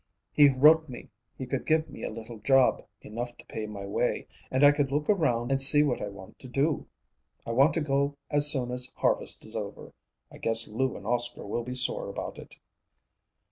He wrote me he could give me a little job, enough to pay my way, and I could look around and see what I want to do. I want to go as soon as harvest is over. I guess Lou and Oscar will be sore about it."